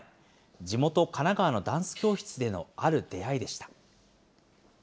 地元、神奈川のダンス教室でのある出会いでした。